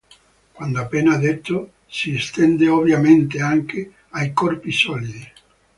Quanto appena detto si estende ovviamente anche ai corpi solidi.